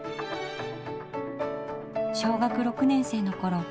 小学６年生のころ